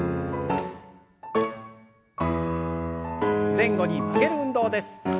前後に曲げる運動です。